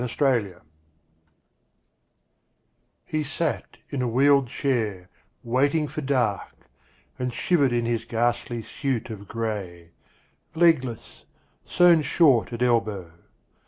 Disabled He sat in a wheeled chair, waiting for dark, And shivered in his ghastly suit of grey, Legless, sewn short at elbow.